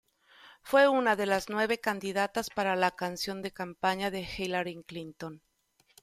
Fue una de las nueve candidatas para la canción de campaña de Hillary Clinton.